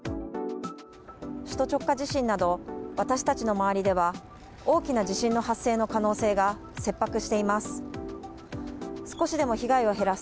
首都直下地震など私たちの周りでは大きな地震の発生の可能性が切迫しています。